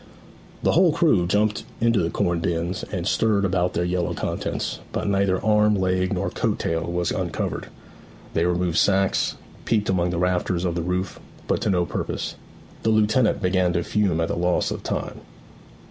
The whole crew jumped into the corn bins, and stirred about their yellow contents; but neither arm, leg, nor coat tail was uncovered. They removed sacks, peeped among the rafters of the roof, but to no purpose. The lieutenant began to fume at the loss of time.